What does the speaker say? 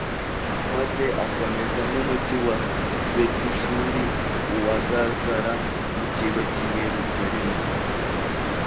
maze akomeza n'umugi wa betishuri, uwa gazara, n'ikigo cy'i yeruzalemu